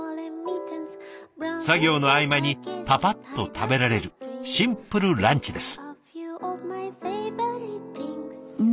作業の合間にパパッと食べられるシンプルランチです。